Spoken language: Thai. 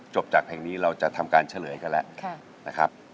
จากเพลงนี้เราจะทำการเฉลยกันแล้วนะครับ